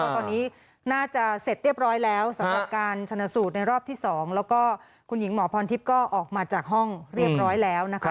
ตอนนี้น่าจะเสร็จเรียบร้อยแล้วสำหรับการชนสูตรในรอบที่๒แล้วก็คุณหญิงหมอพรทิพย์ก็ออกมาจากห้องเรียบร้อยแล้วนะคะ